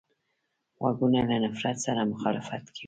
غوږونه له نفرت سره مخالفت کوي